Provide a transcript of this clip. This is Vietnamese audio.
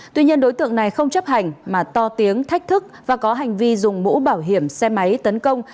tuy nhiên đối tượng này không chấp hành mà to tiếng thách thức và có hành vi dùng mũ bảo hiểm xe máy tấn công